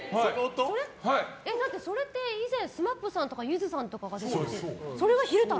だってそれって以前ＳＭＡＰさんとかゆずさんが出てて、それが昼太郎？